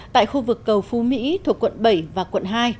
tại khu vực cầu phú mỹ thuộc quận bảy và quận hai